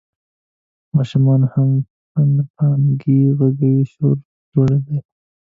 ماشومان هم پنپنانکي غږوي، شور جوړ دی.